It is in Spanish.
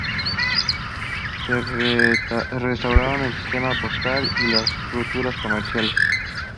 Se restauraron el sistema postal y las rutas comerciales.